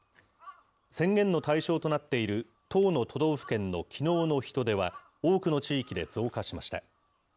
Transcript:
宣言の対象となっている１０の都道府県のきのうの人出は、多くの地域で増加しました。